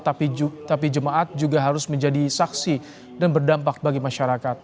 tapi jemaat juga harus menjadi saksi dan berdampak bagi masyarakat